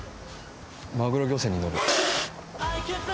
マグロ漁船に乗る。